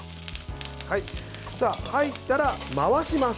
入ったら回します。